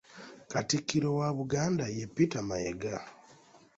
Katikkiro wa Buganda ye Peter Mayiga.